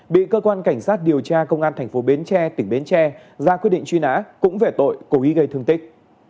bị cơ quan cảnh sát điều tra công an thành phố bến tre tỉnh bến tre ra quyết định truy nã cũng về tội cố ý gây thương tích